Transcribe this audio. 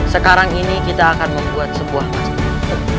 sekarang ini kita akan membuat sebuah masjid